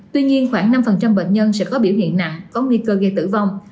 tuy nhiên khoảng năm bệnh nhân sẽ có biểu hiện nặng có nguy cơ gây tử vong